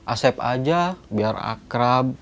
asep aja biar akrab